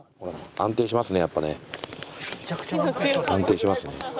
安定しますね。